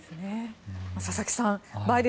佐々木さん